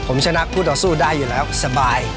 ผมชนะคู่ต่อสู้ได้อยู่แล้วสบาย